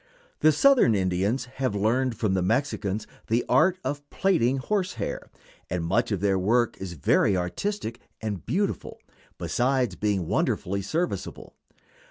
The Southern Indians have learned from the Mexicans the art of plaiting horse hair, and much of their work is very artistic and beautiful, besides being wonderfully serviceable.